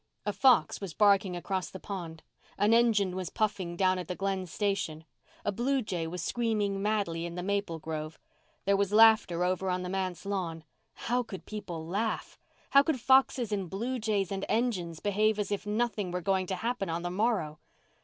A fox was barking across the pond; an engine was puffing down at the Glen station; a blue jay was screaming madly in the maple grove; there was laughter over on the manse lawn. How could people laugh? How could foxes and blue jays and engines behave as if nothing were going to happen on the morrow?